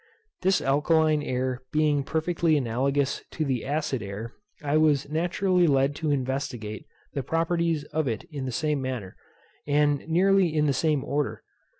This alkaline air being perfectly analogous to the acid air, I was naturally led to investigate the properties of it in the same manner, and nearly in the same order.